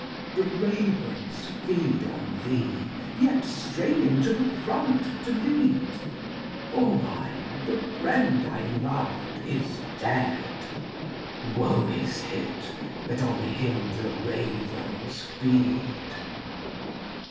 The ravens feed On thee yet straining to the front, to lead. Owain, the friend I loved, is dead! Woe is it that on him the ravens feed!